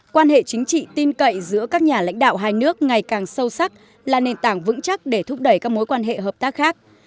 quan hệ chính trị tin cậy giữa các nhà lãnh đạo hai nước ngày càng sâu sắc là nền tảng vững chắc để thúc đẩy các mối quan hệ hợp tác khác